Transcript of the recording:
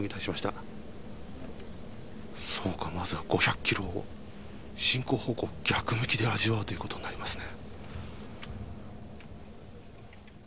そうかまずは５００キロを進行方向逆向きで味わうということになりますね。